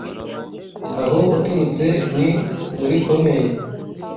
Aho waturutse ni murikomeye